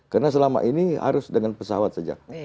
karena selama ini harus dengan pesawat saja